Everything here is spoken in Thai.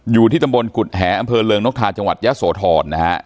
อยู่ที่ตำบลกุฎแหอำเภอเริงนกทาจังหวัดยะโสธรนะฮะ